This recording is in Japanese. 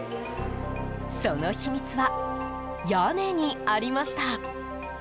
その秘密は、屋根にありました。